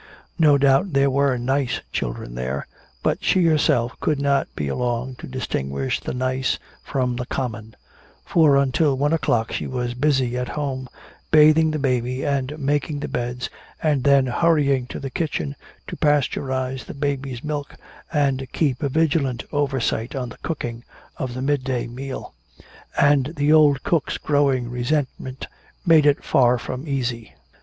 No doubt there were "nice" children there, but she herself could not be along to distinguish the "nice" from the "common" for until one o'clock she was busy at home, bathing the baby and making the beds, and then hurrying to the kitchen to pasteurize the baby's milk and keep a vigilant oversight on the cooking of the midday meal. And the old cook's growing resentment made it far from easy.